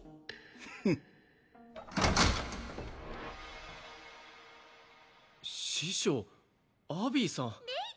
フッ師匠アビーさんレイ